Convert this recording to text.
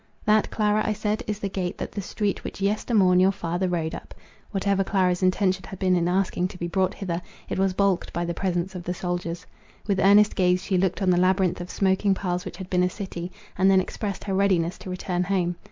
"That, Clara," I said, "is the gate, that the street which yestermorn your father rode up." Whatever Clara's intention had been in asking to be brought hither, it was balked by the presence of the soldiers. With earnest gaze she looked on the labyrinth of smoking piles which had been a city, and then expressed her readiness to return home.